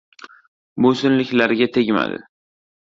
Boysunliklarga tegmadi.